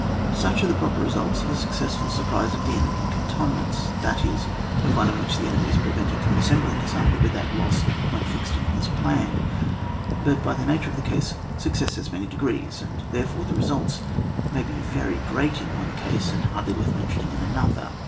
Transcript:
Buchare the proper results of a success ful surprise of the enemy in cantonments, that is, of one in which the enemy is prevented £rom assembling his army without loss at the point fixed in his plan. But by the nature of the case, success has many degrees; and, therefore, the results may be very great in one case, and hardly Worth mentioning in another.